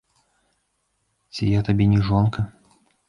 Ці я табе не жонка?